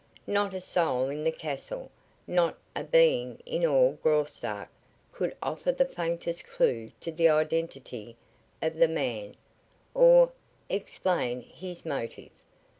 Not a soul in the castle, not a being in all Graustark could offer the faintest clew to the identity of the man or explain his motive.